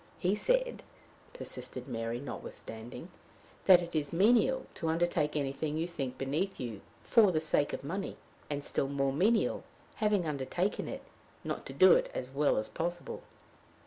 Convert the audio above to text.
"He said," persisted Mary, notwithstanding, "that it is menial to undertake anything you think beneath you for the sake of money; and still more menial, having undertaken it, not to do it as well as possible."